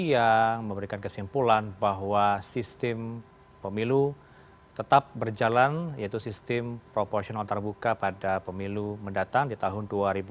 yang memberikan kesimpulan bahwa sistem pemilu tetap berjalan yaitu sistem proporsional terbuka pada pemilu mendatang di tahun dua ribu dua puluh